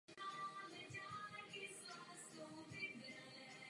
To výrazně zvětšuje areál jejich rozšíření v posledních milionech let křídy.